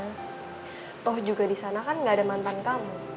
atau juga disana kan gak ada mantan kamu